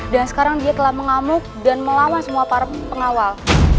dan sekarang dia telah mengamuk dan melawan semua para pengawal